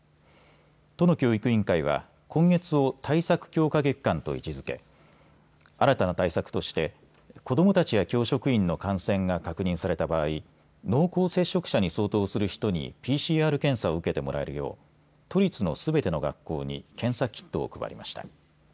都の教育委員会は今月を対策強化月間と位置づけ新たな対策として子どもたちや教職員の感染が確認された場合、濃厚接触者に相当する人にＰＣＲ検査を受けてもらえるよう都立のすべての学校に検査キットを配りました。